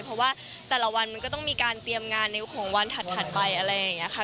เพราะว่าแต่ละวันมันก็ต้องมีการเตรียมงานในของวันถัดไปอะไรอย่างนี้ค่ะ